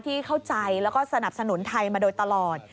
เข้าใจแล้วก็สนับสนุนไทยมาโดยตลอด